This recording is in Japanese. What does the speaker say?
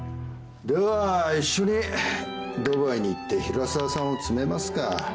では一緒にドバイに行って平沢さんを詰めますか。